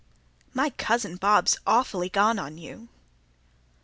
"My cousin Bob's awfully gone on you."